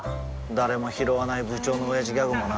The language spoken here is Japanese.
誰もひろわない部長のオヤジギャグもな